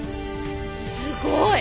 すごい！